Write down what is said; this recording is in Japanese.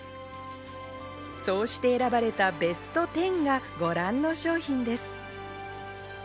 そうして選ばれたベストテンがご覧の商品です。